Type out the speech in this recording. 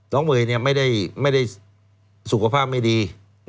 น้องเวรี่เนี่ยไม่ได้สุขภาพไม่ดี